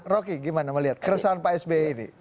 rocky gimana melihat keresahan pak sby ini